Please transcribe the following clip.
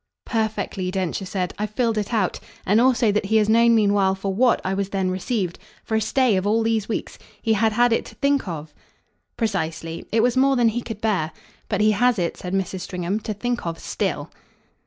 "Perfectly," Densher said "I've filled it out. And also that he has known meanwhile for WHAT I was then received. For a stay of all these weeks. He had had it to think of." "Precisely it was more than he could bear. But he has it," said Mrs. Stringham, "to think of still."